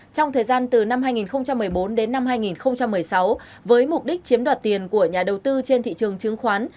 trong thời gian từ năm hai nghìn một mươi bốn đến năm hai nghìn một mươi sáu với mục đích chiếm đoạt tiền của nhà đầu tư trên thị trường chứng khoán